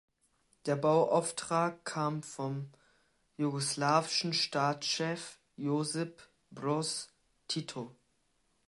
Der Bauauftrag kam vom jugoslawischen Staatschef Josip Broz Tito.